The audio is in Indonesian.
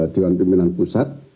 dewan pimpinan pusat